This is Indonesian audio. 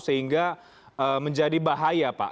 sehingga menjadi bahaya pak